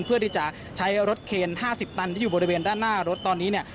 เพื่อที่จะใช้รถเคน๕๐ตันที่อยู่บริเวณด้านหน้ารถตอนนี้เนี่ย